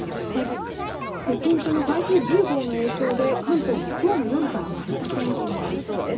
接近中の台風１０号の影響で関東も今日の夜から荒れた天気になりそうです。